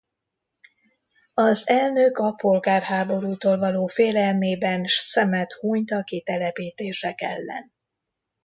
Az elnök a polgárháborútól való félelmében s szemet hunyt a kitelepítések ellen.